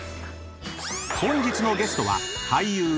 ［本日のゲストは］